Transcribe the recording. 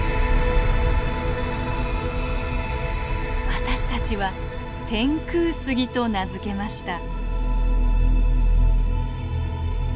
私たちは「天空杉」と名付けました。